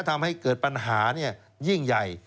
ทำให้เกิดปัญหายิ่งใหญ่